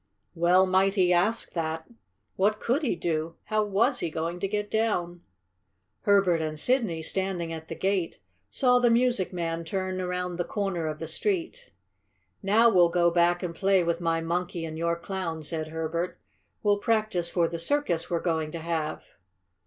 Well might he ask that. What could he do? How was he going to get down? Herbert and Sidney, standing at the gate, saw the music man turn around the corner of the street. "Now we'll go back and play with my Monkey and your Clown," said Herbert. "We'll practice for the circus we're going to have."